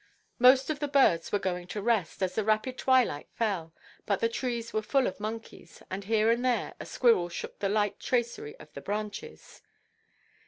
Most of the birds were going to rest, as the rapid twilight fell, but the trees were full of monkeys, and here and there a squirrel shook the light tracery of the branches.